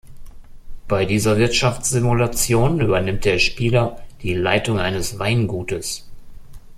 Bei dieser Wirtschaftssimulation übernimmt der Spieler die Leitung eines Weingutes.